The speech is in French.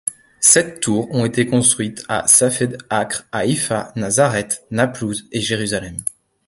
Sept tours ont été construites, à Safed, Acre, Haïfa, Nazareth, Naplouse et Jérusalem.